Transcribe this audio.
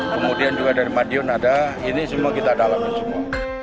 kemudian juga dari madiun ada ini semua kita dalamin semua